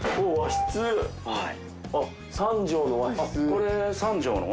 これ３畳の？